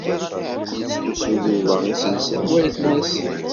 Yettlusu Yuba iselsa n waytma-s.